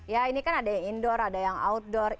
ya ini kan ada yang indoor ada yang outdoor